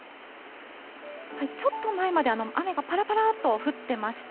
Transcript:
ちょっと前まで、雨がぱらぱらっと降ってました。